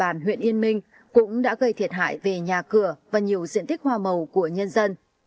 địa bàn huyện yên minh cũng đã gây thiệt hại về nhà cửa và nhiều diện tích hoa màu của nhân dân